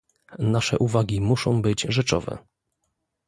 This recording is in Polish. Nasze uwagi muszą być rzeczowe